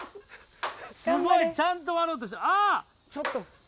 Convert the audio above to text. すごいちゃんと割ろうとしてるあっ！